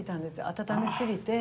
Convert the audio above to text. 温めすぎて。